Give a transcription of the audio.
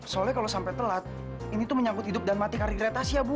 soalnya kalau sampai telat ini tuh menyangkut hidup dan mati karirnya tasya bu